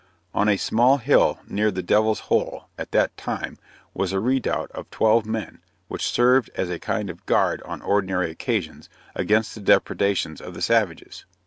On a small hill near the Devil's Hole, at that time, was a redoubt of twelve men, which served as a kind of guard on ordinary occasions, against the depredations of the savages.